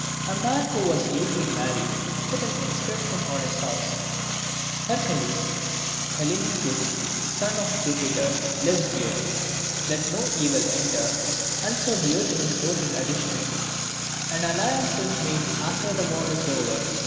A man who was lately married put an inscription on his house, " Hercules Callinicus, the son of Jupiter, lives here ; let no evil enter." And so Diogenes wrote in addition, "An alliance is made after the war is over."